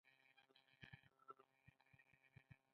د مثانې د سوزش لپاره د وربشو اوبه وڅښئ